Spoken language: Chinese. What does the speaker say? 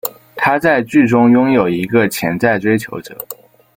她在剧中拥有一个潜在追求者。